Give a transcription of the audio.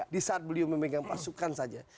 di saat beliau memegang pasukan saja